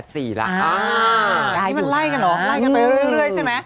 หนูไล่กันเหรอไล่กันไปเรื่อยใช่ไหม